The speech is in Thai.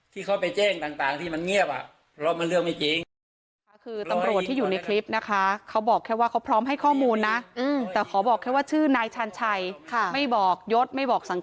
ที่เขาไปแจ้งต่างที่มันเงียบเพราะมันเรื่องไม่จริง